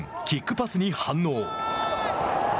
キックパスに反応。